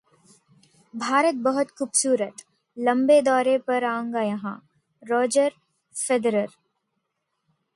भारत बहुत खूबसूरत, लंबे दौरे पर आऊंगा यहां: रोजर फेडरर